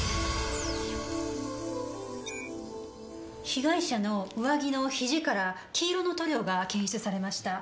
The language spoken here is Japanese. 被害者の上着のひじから黄色の塗料が検出されました。